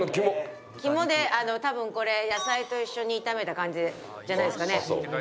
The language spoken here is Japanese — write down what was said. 肝で多分これ野菜と一緒に炒めた感じじゃないですかね。